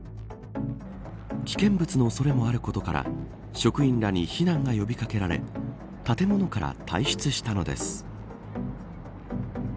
危険物の恐れもあることから職員らに避難が呼び掛けられ建物から退出したのです。